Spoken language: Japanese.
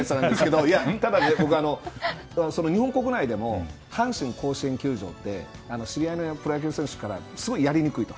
ただね、日本国内でも阪神甲子園球場って知り合いのプロ野球選手からすごくやりにくいと。